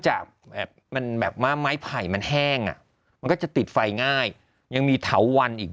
มันแบบว่าไม้ไผ่มันแห้งอ่ะมันก็จะติดไฟง่ายยังมีเถาวันอีก